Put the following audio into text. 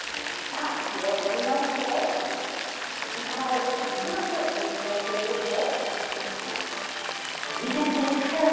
さあ、気を取り直して、ヨシ原をくまなく見つめていると。